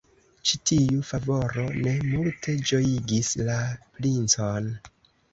Ĉi tiu favoro ne multe ĝojigis la princon.